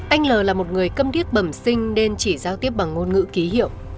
anh lờ là một người câm thiết bẩm sinh nên chỉ giao tiếp bằng ngôn ngữ ký hiệu